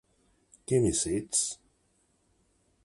Què més ets?